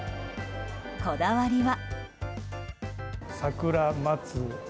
こだわりは。